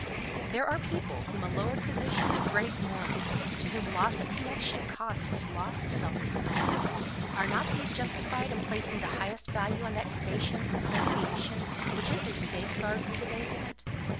There are people whom a lowered position degrades morally, to whom loss of connection costs loss of self respect: are not these justified in placing the highest value on that station and association which is their safeguard from debasement?